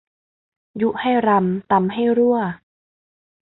ยุให้รำ ตำให้รั่ว